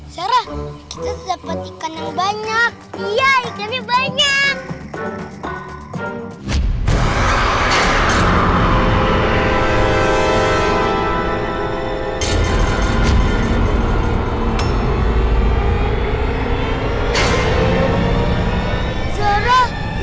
bekas kandung yang ga jatuh